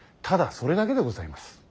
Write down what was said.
ただそれだけでございます。